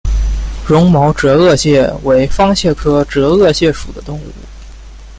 绒毛折颚蟹为方蟹科折颚蟹属的动物。